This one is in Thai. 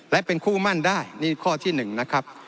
และเป็นคู่มั่นได้นี่ข้อที่๑นะครับ